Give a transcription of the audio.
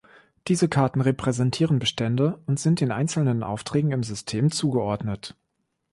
Diese Karten repräsentieren Bestände und sind den einzelnen Aufträgen im System zugeordnet.